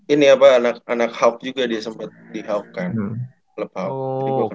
ini apa anak hap juga dia sempet di hap kan